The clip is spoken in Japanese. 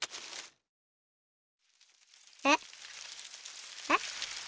えっ？えっ？